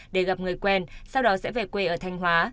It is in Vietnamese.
để gặp người quen sau đó sẽ về quê ở thanh hóa